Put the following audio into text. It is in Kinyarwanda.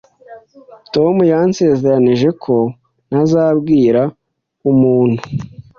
Tom yansezeranije ko ntazabwira umuntu.